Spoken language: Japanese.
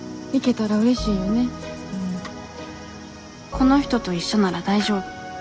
この人と一緒なら大丈夫。